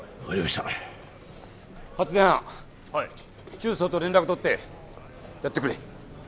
中操と連絡を取ってやってくれ。